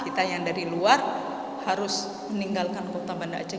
kita yang dari luar harus meninggalkan kota banda aceh